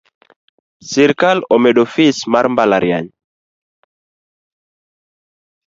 Sirkal omedo fees mar mbalariany.